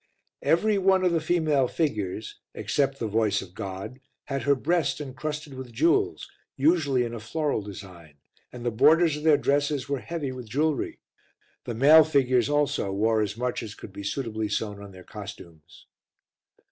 Every one of the female figures, except The Voice of God, had her breast encrusted with jewels, usually in a floral design, and the borders of their dresses were heavy with jewellery; the male figures also wore as much as could be suitably sewn on their costumes.